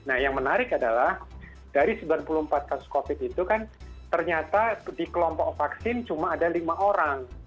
nah yang menarik adalah dari sembilan puluh empat kasus covid itu kan ternyata di kelompok vaksin cuma ada lima orang